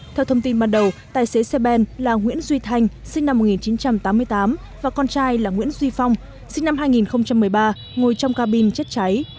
theo thông tin ban đầu tài xế xe ben là nguyễn duy thanh sinh năm một nghìn chín trăm tám mươi tám và con trai là nguyễn duy phong sinh năm hai nghìn một mươi ba ngồi trong cabin chết cháy